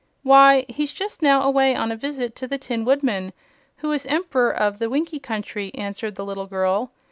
"Why, he's just now away on a visit to the Tin Woodman, who is Emp'ror of the Winkie Country," answered the little girl.